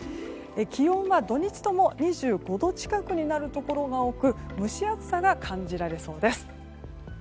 気温は土日とも２５度近くになるところが多く蒸し暑さが感じられそうです。